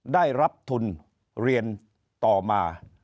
ได้รับทุนเรียนต่อมา